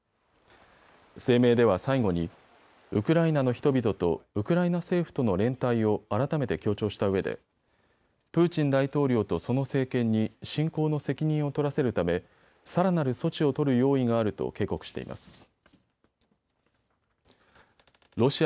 声明では最後にウクライナの人々とウクライナ政府との連帯を改めて強調したうえでプーチン大統領とその政権に侵攻の責任を取らせるためさらなる措置を取る用意があると警告しています。